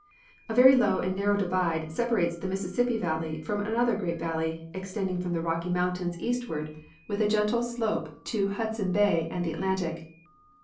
A very low and narrow divide separates the Mississippi valley from another great valley extending from the Rocky mountains The North American Loiuland. 117 eastward, with a gentle slope to Hudson bay and the Atlantic.